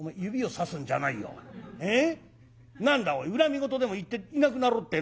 何だおい恨み言でも言っていなくなろうってえのか？」。